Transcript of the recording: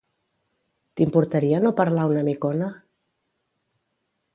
T'importaria no parlar una micona?